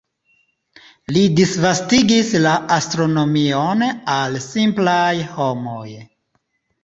Li disvastigis la astronomion al simplaj homoj.